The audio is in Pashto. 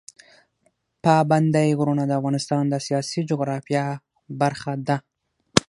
پابندی غرونه د افغانستان د سیاسي جغرافیه برخه ده.